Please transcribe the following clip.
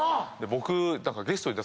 僕。